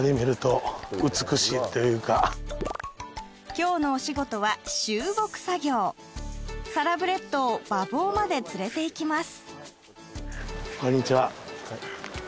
今日のお仕事は集牧作業サラブレッドを馬房まで連れて行きます